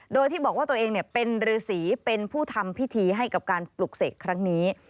โดยที่บอกว่าตัวเองเป็นฤษีเป็นผู้ทำพิธีให้กับการปลุกเสกครั้งนี้